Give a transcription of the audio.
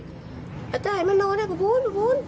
จัดให้มันโสดกูพูด